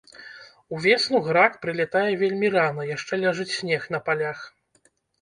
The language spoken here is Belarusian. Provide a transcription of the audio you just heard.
Увесну грак прылятае вельмі рана, яшчэ ляжыць снег на палях.